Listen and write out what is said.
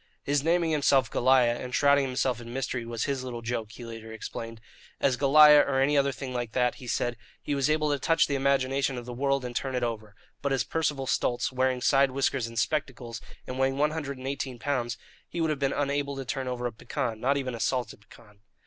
His naming himself "Goliah" and shrouding himself in mystery was his little joke, he later explained. As Goliah, or any other thing like that, he said, he was able to touch the imagination of the world and turn it over; but as Percival Stultz, wearing side whiskers and spectacles, and weighing one hundred and eighteen pounds, he would have been unable to turn over a pecan "not even a salted pecan."